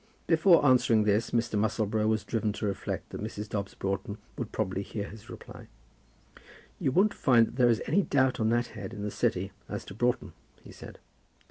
Before answering this Mr. Musselboro was driven to reflect that Mrs. Dobbs Broughton would probably hear his reply. "You won't find that there is any doubt on that head in the City as to Broughton," he said.